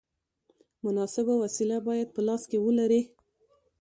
مناسبه وسیله باید په لاس کې ولرې.